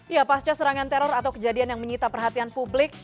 ya pasca serangan teror atau kejadian yang menyita perhatian publik